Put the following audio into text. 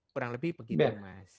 kurang lebih begitu mas